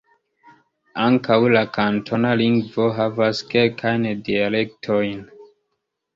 Ankaŭ la kantona lingvo havas kelkajn dialektojn.